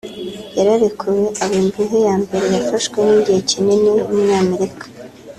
yararekuwe aba imbohe ya mbere yafashwe igihe kinini y’umunyamerika